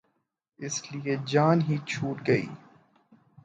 اس لیے جان ہی چھوٹ گئی۔